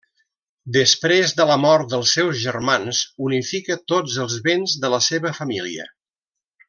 Després de la mort dels seus germans unifica tots els béns de la seva família.